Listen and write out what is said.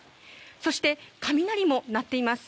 そして雷も鳴っています。